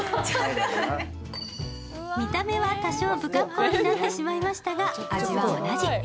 見た目は多少、不格好になってしまいましたが、味は同じ。